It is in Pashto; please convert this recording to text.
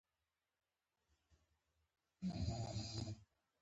ښځه په ځمکه را پریوتله.